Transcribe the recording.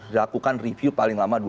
dilakukan review paling lama